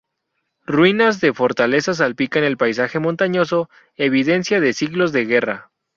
Ruinas de fortalezas salpican el paisaje montañoso, evidencia de siglos de guerra.